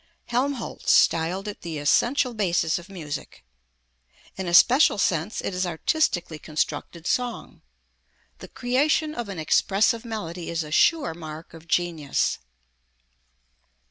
Helmholtz styled it the essential basis of music. In a special sense, it is artistically constructed song. The creation of an expressive melody is a sure mark of genius.